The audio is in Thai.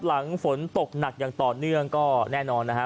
หลังฝนตกหนักอย่างต่อเนื่องก็แน่นอนนะฮะ